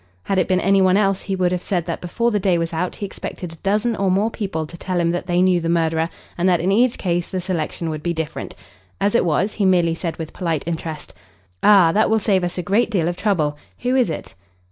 Had it been any one else he would have said that before the day was out he expected a dozen or more people to tell him that they knew the murderer and that in each case the selection would be different. As it was he merely said with polite interest "Ah, that will save us a great deal of trouble. Who is it?"